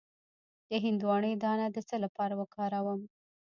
د هندواڼې دانه د څه لپاره وکاروم؟